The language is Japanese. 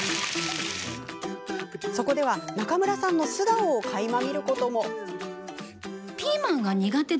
そこでは中村さんの素顔をかいま見ることも。